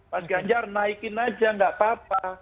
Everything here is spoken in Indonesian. mas ganjar naikin saja tidak apa apa